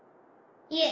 いえ。